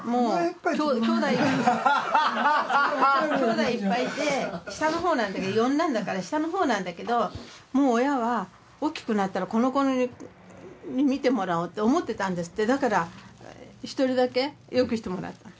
兄弟いっぱいいて四男だから下のほうなんだけどもう親はおっきくなったらこの子にみてもらおうって思ってたんですってだから１人だけよくしてもらった。